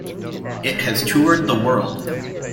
It has toured the world.